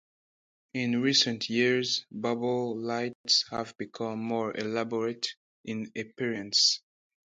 In recent years, bubble lights have become more elaborate in appearance.